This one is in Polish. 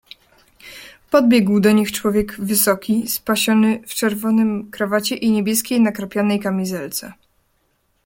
"Podbiegł do nich człowiek wysoki, spasiony w czerwonym krawacie i niebieskiej nakrapianej kamizelce."